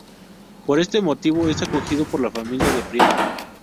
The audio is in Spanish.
Por este motivo es acogido por la familia de Príamo.